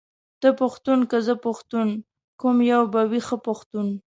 ته پښتون که زه پښتون ، کوم يو به وي ښه پښتون ،